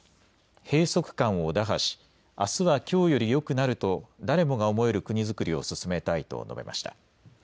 閉塞感を打破しあすはきょうより良くなると誰もが思える国づくりを進めたいと述べました。